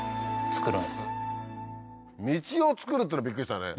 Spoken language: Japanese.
道を造るっていうのはびっくりしたね。